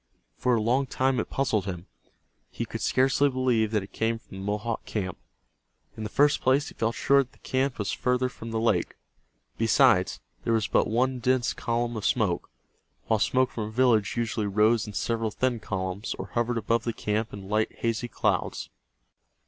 For a long time it puzzled him. He could scarcely believe that it came from the Mohawk camp. In the first place he felt sure that the camp was farther from the lake. Besides, there was but one dense column of smoke, while smoke from a village usually rose in several thin columns, or hovered above the camp in light hazy clouds.